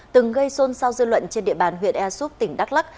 từng gây xôn xao dư luận trên địa bàn huyện ersup tỉnh đắk lắc